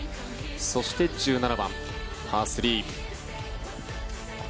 そして１７番、パー３。